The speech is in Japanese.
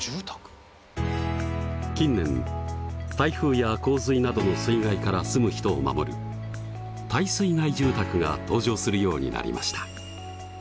近年台風や洪水などの水害から住む人を守る耐水害住宅が登場するようになりました。